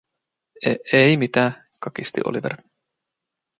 “E-ei mitää…”, kakisti Oliver.